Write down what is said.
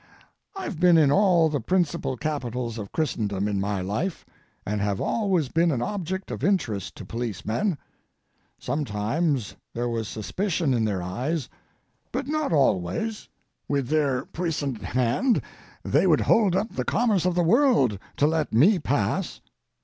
I've been in all the principal capitals of Christendom in my life, and have always been an object of interest to policemen. Sometimes there was suspicion in their eyes, but not always. With their puissant hand they would hold up the commerce of the world to let me pass.